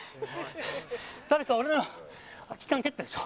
誰か俺の空き缶蹴ったでしょ。